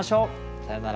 さようなら。